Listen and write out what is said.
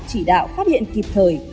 chỉ đạo phát hiện kịp thời